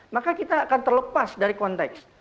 maka kita akan terlepas dari konteks